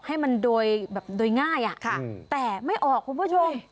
ให้มันแบบนี้ด๊วยไง่อ่ะแต่ไม่ออกคุณผู้ชม